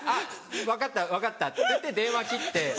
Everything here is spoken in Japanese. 「分かった分かった」って言って電話切って。